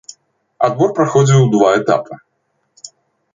Адбор праходзіў у два этапы.